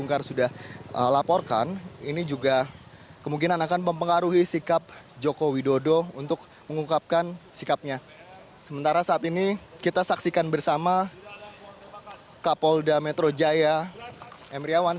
pada hari ini kita saksikan bersama kapolda metro jaya emriawan